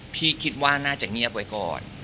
คิดว่าน่าจะเงียบไว้ก่อน